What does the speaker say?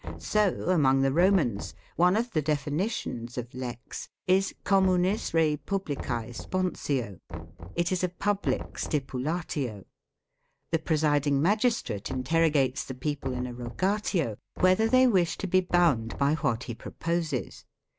So among the Romans one of the definitions of Lex is 11 communis reipublicae sponsio ". It is a public " Stipu latio ". The presiding magistrate interrogates the people in a " Rogatio " whether they wish to be bound by what he proposes.